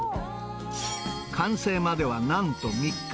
完成まではなんと３日。